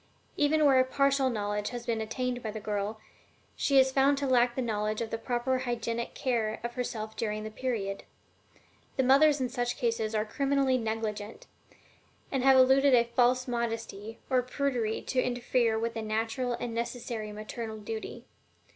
Even where a partial knowledge has been attained by the girl, she is found to lack the knowledge of the proper hygienic care of herself during the period. The mothers in such cases are criminally negligent, and have alluded a false modesty or prudery to interfere with a natural and necessary maternal duty.